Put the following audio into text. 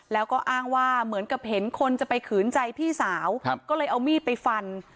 แล้วก็อ้างว่าเหมือนกับเห็นคนจะไปขืนใจพี่สาวก็เลยเอามีดไปฟัน